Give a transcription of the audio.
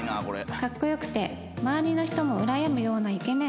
格好良くて周りの人もうらやむようなイケメン